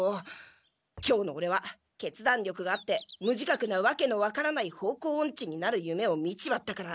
今日のオレは決断力があって無自覚なわけの分からない方向オンチになる夢を見ちまったから。